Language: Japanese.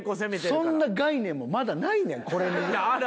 そんな概念もまだないねんこれに。